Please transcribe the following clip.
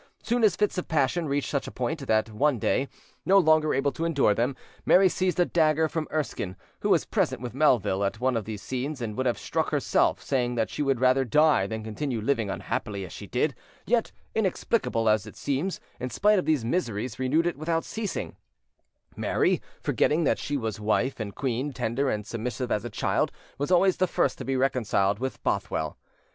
Soon his fits of passion reached such a point, that one day, no longer able to endure them, Mary seized a dagger from Erskine, who was present with Melville at one of these scenes, and would have struck herself, saying that she would rather die than continue living unhappily as she did; yet, inexplicable as it seems, in spite of these miseries, renewed without ceasing, Mary, forgetting that she was wife and queen, tender and submissive as a child, was always the first to be reconciled with Bothwell.